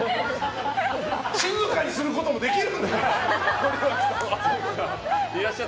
静かにすることもできるんだ！